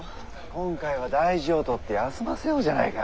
今回は大事を取って休ませようじゃないか。